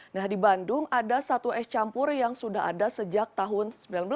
nah di bandung ada satu es campur yang sudah ada sejak tahun seribu sembilan ratus sembilan puluh